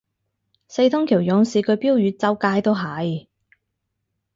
四通橋勇士句標語周街都係